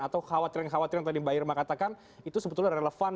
atau khawatiran kekhawatiran yang tadi mbak irma katakan itu sebetulnya relevan